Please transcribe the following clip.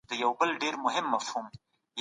د غلامۍ پر ضد مبارزه لا هم دوام لري.